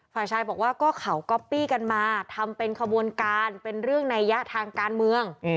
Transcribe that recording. ฝ่ายชายบอกว่าก็เขาก๊อปปี้กันมาทำเป็นขบวนการเป็นเรื่องนัยยะทางการเมือง